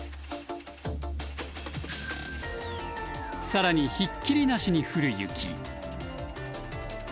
更にひっきりなしに降る雪。